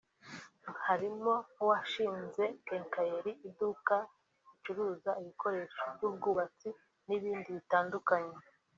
Harimo nk’uwashinze Quincallerie (iduka ricuruza ibikoresho by’ubwubatsi n’ibindi bitandukanye)